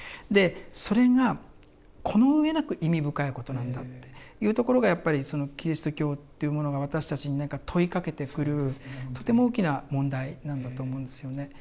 でそれがこの上なく意味深いことなんだっていうところがやっぱりそのキリスト教というものが私たちに何か問いかけてくるとても大きな問題なんだと思うんですよね。